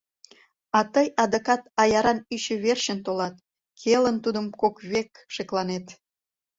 А тый адакат аяран ӱчӧ верчын Толат, келын тудым, кок век шекланет…